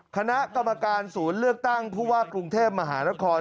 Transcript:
คณะกรรมการศูนย์เลือกตั้งผู้ว่ากรุงเทพมหานคร